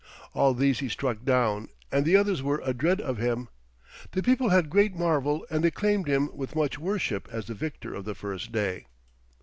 All these he struck down, and the others were adread of him. The people had great marvel, and acclaimed him with much worship as the victor of the first day.